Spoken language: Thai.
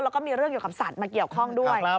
แล้วก็มีเรื่องเกี่ยวกับสัตว์มาเกี่ยวข้องด้วย